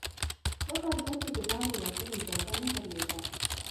له ښارګوټي د باندې وتلو اجازه نه درلوده.